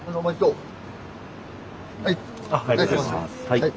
はい。